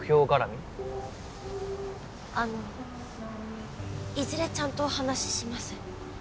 あのいずれちゃんとお話しします。